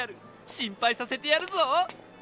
心配させてやるぞ！